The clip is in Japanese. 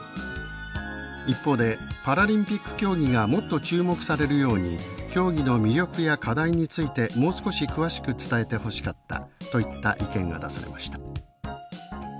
一方で「パラリンピック競技がもっと注目されるように競技の魅力や課題についてもう少し詳しく伝えてほしかった」といった意見が出されました。